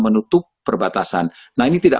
menutup perbatasan nah ini tidak